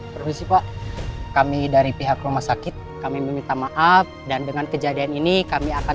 provinsi pak kami dari pihak rumah sakit kami meminta maaf dan dengan kejadian ini kami akan